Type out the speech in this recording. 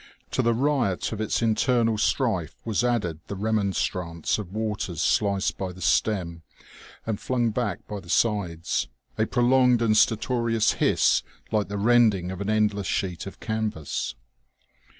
To the riot of its internal strife was added the remonstrance of waters sliced by the stem and flung back by the sides, a prolonged and stertorous hiss like the rending of an endless sheet of canvas.